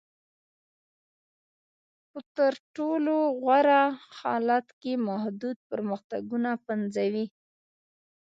په تر ټولو غوره حالت کې محدود پرمختګونه پنځوي.